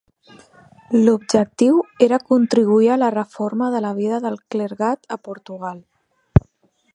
L'objectiu era contribuir a la reforma de la vida del clergat a Portugal.